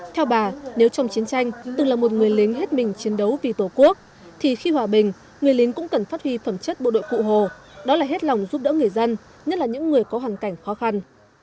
theo bà nếu trong chiến tranh từng là một người lính hết mình chiến đấu vì tổ quốc thì khi hòa bình người lính cũng cần phát huy phẩm chất bộ đội cụ hồ đó là hết lòng giúp đỡ người dân nhất là những người có hoàn cảnh khó khăn